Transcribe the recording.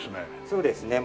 そうですね